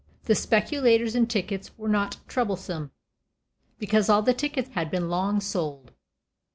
The speculators in tickets were not troublesome, because all the tickets had been long sold.